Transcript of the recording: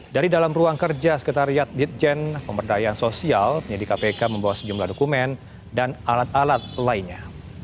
dari dalam ruang kerja sekretariat ditjen pemberdayaan sosial penyidik kpk membawa sejumlah dokumen dan alat alat lainnya